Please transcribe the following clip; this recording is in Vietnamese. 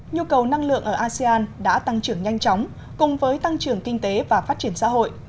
nhu cầu năng lượng ở asean đã tăng trưởng nhanh chóng cùng với tăng trưởng kinh tế và phát triển xã hội